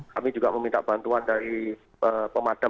kami juga meminta bantuan dari pemadam